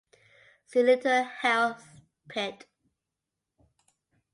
See Little Heath Pit.